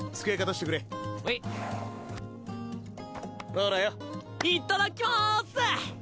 ほらよ。いっただっきます！